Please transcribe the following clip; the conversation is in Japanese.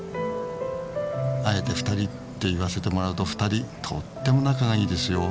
あえて２人って言わせてもらうと２人とっても仲がいいですよ。